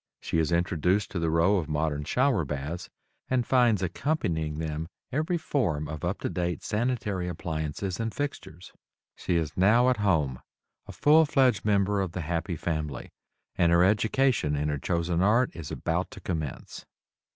She is introduced to the row of modern shower baths, and finds accompanying them every form of up to date sanitary appliances and fixtures. She is now "at home," a full fledged member of the "happy family," and her education in her chosen art is about to commence.